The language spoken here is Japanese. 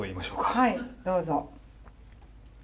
はいどうぞ。